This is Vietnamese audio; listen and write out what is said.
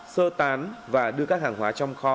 sơ tán và đưa các hàng hóa trong kho